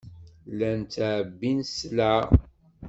Llan ttɛebbin sselɛa.